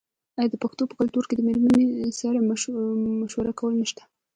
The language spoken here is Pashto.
آیا د پښتنو په کلتور کې د میرمنې سره مشوره کول نشته؟